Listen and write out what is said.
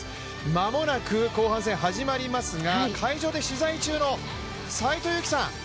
間もなく後半戦始まりますが、会場で取材中の斎藤佑樹さん